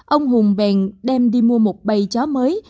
ông hùng bèn đem đi mua một bày chó mới